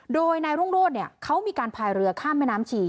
โดยนายรุ่งโรธเขามีการพายเรือข้ามแม่น้ำชี